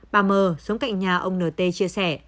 bà m sống cạnh nhà ông nt chia sẻ